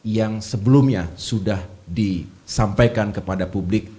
yang sebelumnya sudah disampaikan kepada publik